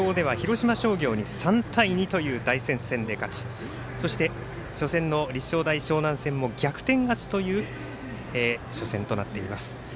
広島商業に３対２という大接戦で勝ちそして、初戦の立正大淞南戦も逆転勝ちという初戦になっています。